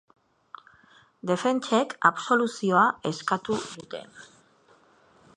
Defentsek absoluzioa eskatu dute.